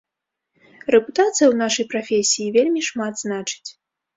Рэпутацыя ў нашай прафесіі вельмі шмат значыць.